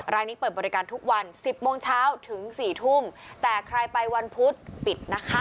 รายนี้เปิดบริการทุกวันสิบโมงเช้าถึงสี่ทุ่มแต่ใครไปวันพุธปิดนะคะ